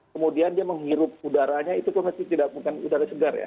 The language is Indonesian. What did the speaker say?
kemudian dia menghirup udaranya itu tuh masih tidak bukan udara segar ya